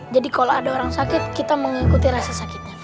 jadi kalau ada orang sakit kita mengikuti rasa sakitnya